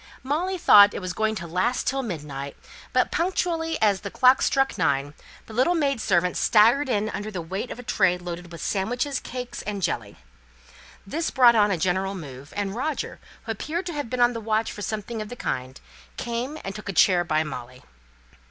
Molly thought it was going to last till midnight; but punctually, as the clock struck nine, the little maid servant staggered in under the weight of a tray loaded with sandwiches, cakes, and jelly. This brought on a general move; and Roger, who appeared to have been on the watch for something of the kind, came and took a chair by Molly.